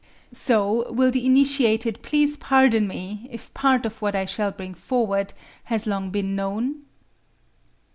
So, will the initiated please pardon me, if part of what I shall bring forward has long been known?